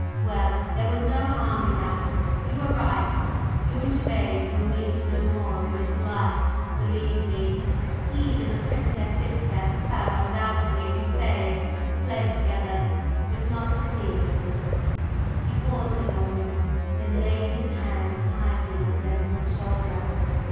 "Well, there was no harm in that. You were right. You and Gervase will meet no more in this life, believe me! He and the Princess Ziska have undoubtedly, as you say, fled together but not to Thebes!" He paused a moment, then laid his hand kindly on Denzil's shoulder.